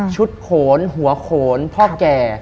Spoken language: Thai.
โขนหัวโขนพ่อแก่